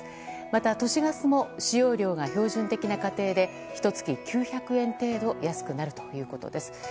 また、都市ガスも使用量が標準的な家庭でひと月９００円程度安くなるということです。